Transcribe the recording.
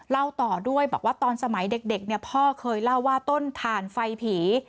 เล่าต่อด้วยบอกว่าตอนสมัยเด็กเนี่ยพ่อเคยเล่าว่าต้นถ่านไฟผี